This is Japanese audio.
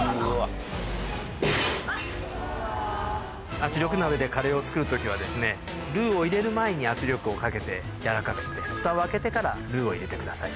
圧力鍋でカレーを作る時はルーを入れる前に圧力をかけて軟らかくしてフタを開けてからルーを入れてください。